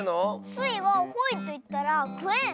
スイは「ほい」といったら「くえん」！